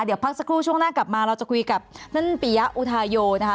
เดี๋ยวพักสักครู่ช่วงหน้ากลับมาเราจะคุยกับท่านปียะอุทาโยนะคะ